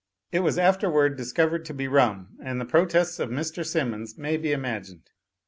It was afterward discovered to be rum, and the pro tests of Mr. Simmons may be imagined.